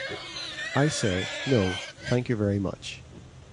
I say, No, thank you very much.